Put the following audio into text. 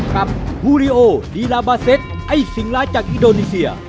กับฮูริโอดีลาบาเซ็ตไอ้สิงร้ายจากอินโดนีเซีย